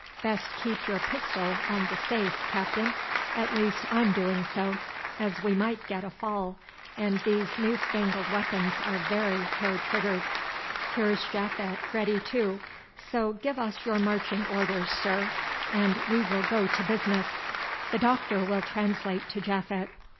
Best keep your pistol on the safe, Captain; at least, I'm doing so, as we might get a fall, and these new fangled weapons are very hair triggered. Here's Japhet ready, too, so give us your marching orders, sir, and we will go to business; the Doctor will translate to Japhet."